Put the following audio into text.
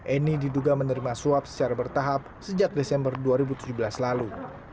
eni diduga menerima suap secara bertahap sejak desember dua ribu tujuh belas lalu